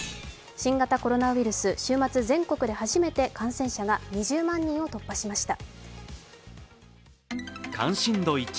新型コロナウイルス、週末全国で初めて感染者が２０万人を突破しました。